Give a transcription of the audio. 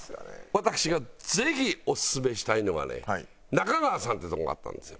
私がぜひオススメしたいのはねなか川さんってとこがあったんですよ。